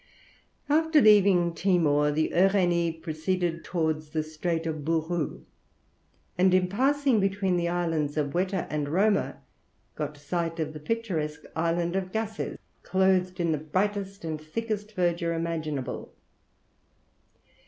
After leaving Timor the Uranie proceeded towards the Strait of Bourou, and in passing between the islands of Wetter and Roma got sight of the picturesque island of Gasses, clothed in the brightest and thickest verdure imaginable.